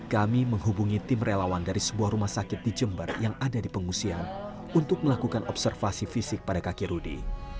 kami menghubungi tim relawan dari sebuah rumah sakit di jember yang ada di pengungsian untuk melakukan observasi fisik pada kaki rudy